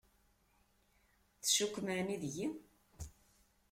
Tcukkem yeεni deg-i?